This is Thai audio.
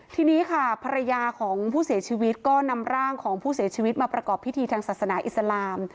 ทีนี้ค่ะภรรยาของผู้เสียชีวิตก็นำร่างของผู้เสียชีวิตมาประกอบพิธีทางศาสนาอิสลาม